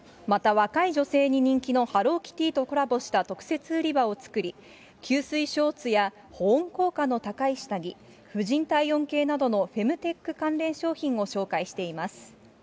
また若い女性に人気のハローキティとコラボした特設売り場を作り、吸水ショーツや保温効果の高い下着、婦人体温計などのフェムテック関連商品を紹介しています。